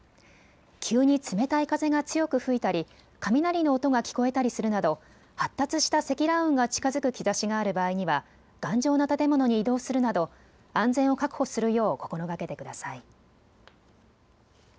急に冷たい風が強く吹いたり雷の音が聞こえたりするなど発達した積乱雲が近づく兆しがある場合には頑丈な建物に移動するなど安全を確保するよう心がけてください。